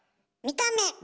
見た目。